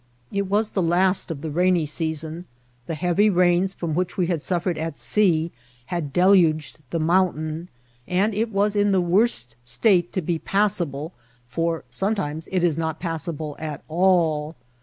It was the last of the rainy season; the heavy rains from which we had suffered at sea had deluged the mount ain, and it was in the worst state, to be passable ; for sometimes it is not passable at all.